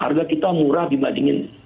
harga kita murah dibandingin